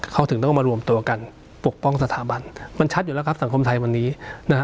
เขาถึงต้องมารวมตัวกันปกป้องสถาบันมันชัดอยู่แล้วครับสังคมไทยวันนี้นะฮะ